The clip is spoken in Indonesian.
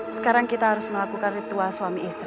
sekarang kita harus melakukan ritual suami istri